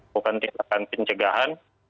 bukan tindakan pencegahan